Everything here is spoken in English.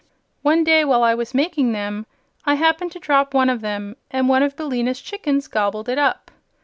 One day while I was making them I happened to drop one of them, and one of Billina's chickens gobbled it up.